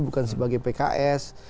bukan sebagai pks